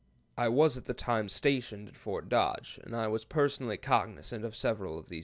I was at the time stationed at Fort Dodge, and I was personally cognizant of several of these 'accidents.'"